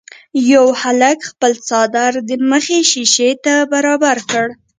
یوه هلک خپل څادر د مخې شيشې ته برابر کړ.